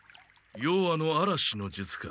夜半の嵐の術か。